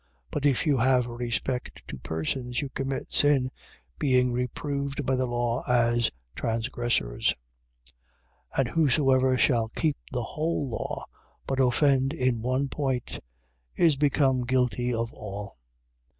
But if you have respect to persons, you commit sin, being reproved by the law as transgressors. 2:10. And whosoever shall keep the whole law, but offend in one point, is become guilty of all.